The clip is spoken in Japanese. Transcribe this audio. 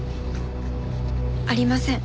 ありません。